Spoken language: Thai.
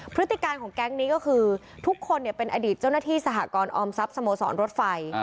พฤติการของแก๊งนี้ก็คือทุกคนเป็นอดีตเจ้าหน้าที่สหกรออมทรัพย์สโมสรรถไฟ